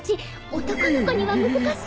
男の子には難しいかな。